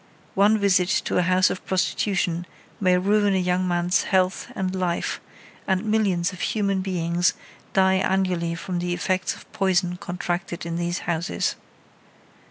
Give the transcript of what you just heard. One visit to a house of prostitution may ruin a young man's health and life, and millions of human beings die annually from the effects of poison contracted in these houses.